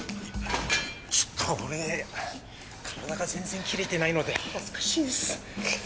ちょっと俺体が全然キレてないので恥ずかしいです。